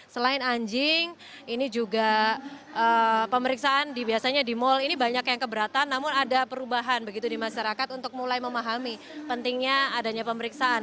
selain anjing ini juga pemeriksaan biasanya di mal ini banyak yang keberatan namun ada perubahan begitu di masyarakat untuk mulai memahami pentingnya adanya pemeriksaan